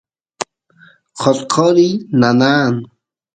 qotqoriy nanan